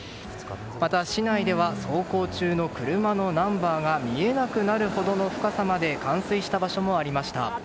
また市内では走行中の車のナンバーが見えなくなるほどの深さまで冠水した場所もありました。